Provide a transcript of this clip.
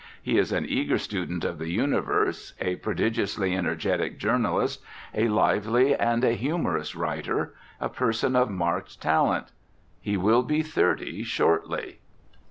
He is an eager student of the universe, a prodigiously energetic journalist, a lively and a humorous writer, a person of marked talent. He will be thirty shortly.